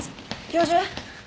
教授。